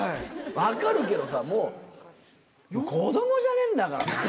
分かるけどさもう子供じゃねえんだから。